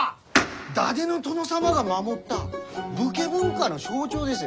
伊達の殿様が守った武家文化の象徴です！